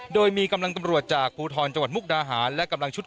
โดยมีกำลังตำรวจจากภูทรจังหวัดมุกดาหารและกำลังชุด